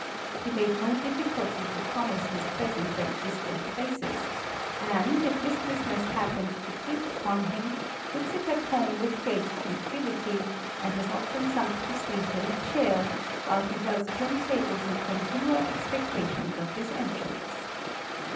He made no difficulty to promise his presence at distant places ; and, if listlessness happened to creep upon him, would sit at 200 THE RAMBLER. home with great tranquillity, and has often sunk to sleep in a chair, while he held ten tables in continual expectations of his entrance.